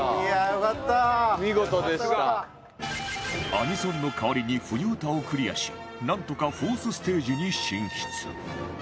アニソンの代わりに冬うたをクリアしなんとか ４ｔｈ ステージに進出